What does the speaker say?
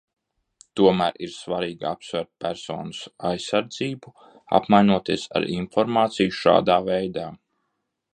Tomēr ir svarīgi apsvērt personas aizsardzību, apmainoties ar informāciju šādā veidā.